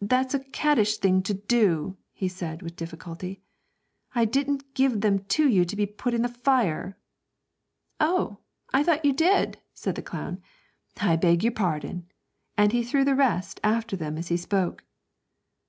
'That's a caddish thing to do,' he said, with difficulty; 'I didn't give them to you to put in the fire!' 'Oh, I thought you did,' said the clown, 'I beg your pardon;' and he threw the rest after them as he spoke.